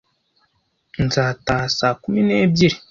Nzataha saa kumi n'ebyiri.